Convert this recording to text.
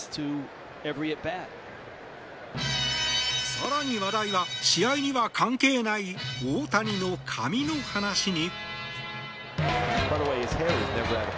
更に話題は、試合には関係ない大谷の髪の話に。